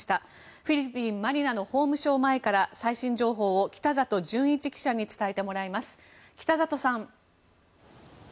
フィリピン・マニラの法務省前から最新情報を北里純一記者に伝えてもらいます。